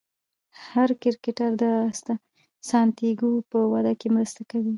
هر کرکټر د سانتیاګو په وده کې مرسته کوي.